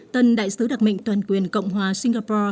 tân đại sứ đặc mệnh toàn quyền cộng hòa singapore